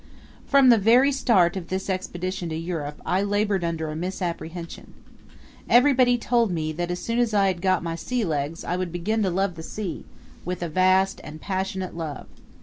From the very start of this expedition to Europe I labored under a misapprehension. Everybody told me that as soon as I had got my sea legs I would begin to love the sea with a vast and passionate love.